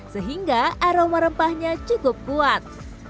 sehingga aroma rempahnya cukup kuat